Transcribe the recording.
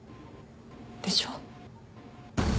でしょ？